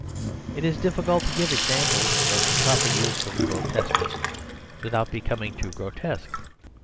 It is difficult to give examples of the proper use of grotesqueness without becoming too grotesque.